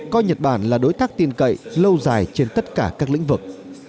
coi nhật bản là đối tác tin cậy lâu dài trên tất cả các lĩnh vực